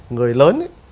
người lớn ấy